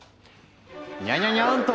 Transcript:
にゃにゃにゃんと！